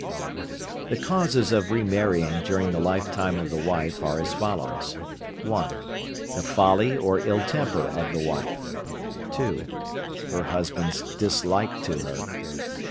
The causes of re marrying during the lifetime of the wife are as follows: (1). The folly or ill temper of the wife. (2). Her husband's dislike to her.